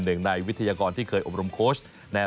หนึ่งในวิทยากรที่เคยอบรมโค้ชแนว